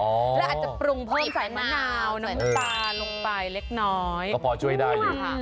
แล้วอาจจะปรุงเพิ่มใส่มะนาวน้ำตาลลงไปเล็กน้อยก็พอช่วยได้อยู่ค่ะ